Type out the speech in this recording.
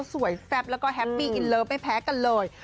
สวยแฟพแล้วก็แฮปปี้อินเลิฟจะแพ้กันเลย